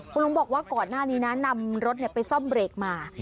คุณลุงบอกว่าก่อนหน้านี้นะนำรถไปซ่อมเบรกมา